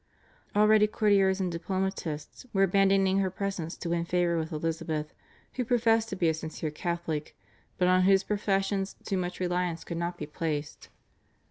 Already courtiers and diplomatists were abandoning her presence to win favour with Elizabeth, who professed to be a sincere Catholic, but on whose professions too much reliance could not be placed.